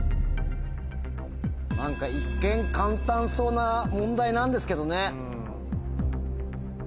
何か一見簡単そうな問題なんですけどね。